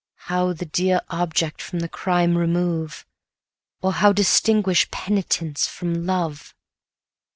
How the dear object from the crime remove, Or how distinguish penitence from love?